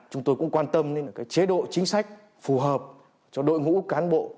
chúng tôi cũng quan tâm đến chế độ chính sách phù hợp cho đội ngũ cán bộ